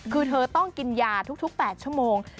คือเธอต้องกินยาทุก๘ชั่วโมง